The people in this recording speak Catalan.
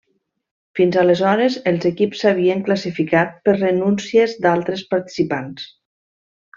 Fins aleshores els equips s'havien classificat per renúncies d'altres participants.